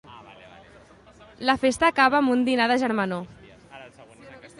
La festa acaba amb un dinar de germanor.